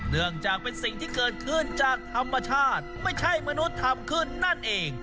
เนื่องจากเป็นสิ่งที่เกิดขึ้นจากธรรมชาติไม่ใช่มนุษย์ทำขึ้นนั่นเอง